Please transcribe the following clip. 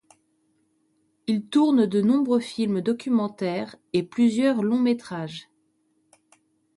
Il tourne de nombreux films documentaires et plusieurs longs métrages.